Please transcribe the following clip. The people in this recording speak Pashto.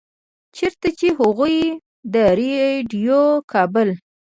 چرته چې هغوي د ريډيؤ کابل